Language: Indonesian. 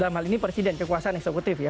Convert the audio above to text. dalam hal ini presiden kekuasaan eksekutif ya